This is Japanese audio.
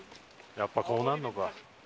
やっぱこうなるのか。